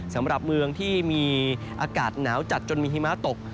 สำหรับเมืองที่มีอากาศหนาวจัดจนมีหิมะตก